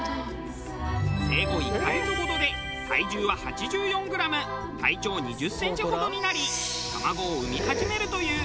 生後１カ月ほどで体重は８４グラム体長２０センチほどになり卵を産み始めるという。